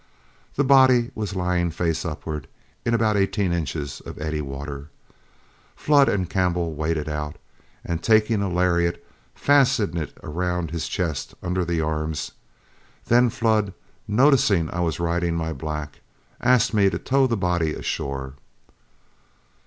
The body was lying face upward, in about eighteen inches of eddy water. Flood and Campbell waded out, and taking a lariat, fastened it around his chest under the arms. Then Flood, noticing I was riding my black, asked me to tow the body ashore.